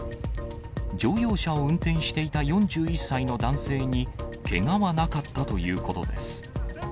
乗用車を運転していた４１歳の男性に、けがはなかったということです。